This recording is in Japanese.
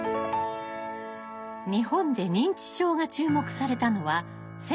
日本で認知症が注目されたのは１９７２年。